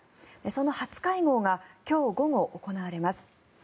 その初会合が今日午後、行われます。